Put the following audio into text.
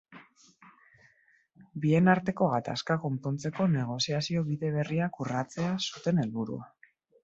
Bien arteko gatazka konpontzeko negoziazio bide berriak urratzea zuten helburua.